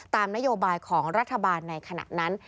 ตามนโยบายของรัฐบาลในขณะนั้น